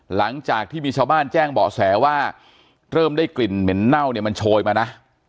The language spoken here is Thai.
หลังจากที่มีชาวบ้านแจ้งเบาะแสว่าเริ่มได้กลิ่นเหม็นเน่าเนี่ยมันโชยมานะ